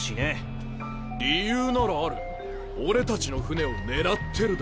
理由ならある「俺たちの船を狙ってる」だ。